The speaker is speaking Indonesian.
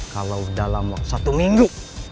kalau dalam satu minggu